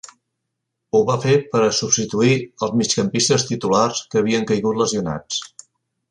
Ho va fer per a substituir els migcampistes titulars que havien caigut lesionats.